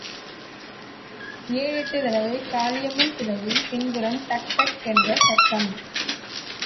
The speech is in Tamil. ஏழெட்டுத் தடவை, காளியம்மன் சிலையின் பின்புறம் டக்டக் கென்ற சத்தம்.